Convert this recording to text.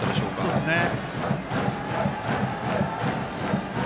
そうですね。